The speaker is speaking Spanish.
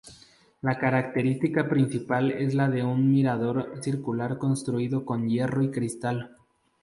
La característica principal es la de un mirador circular construido con hierro y cristal.